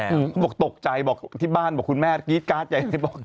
เขาบอกตกใจบอกที่บ้านบอกคุณแม่กรี๊ดการ์ดใหญ่เลยบอก